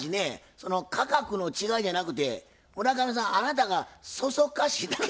その価格の違いじゃなくて村上さんあなたがそそっかしいだけと違いますか？